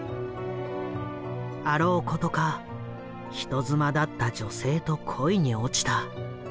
あろうことか人妻だった女性と恋に落ちた。